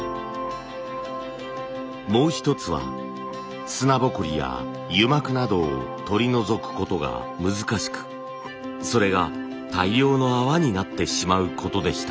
もう一つは砂ぼこりや油膜などを取り除くことが難しくそれが大量の泡になってしまうことでした。